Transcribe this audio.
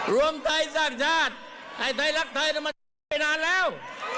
หลวงไทยสร้างชาติให้ไทยรักไทยนั้นมันไปนานแล้ว